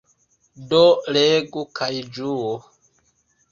Do legu, kaj ĝuu.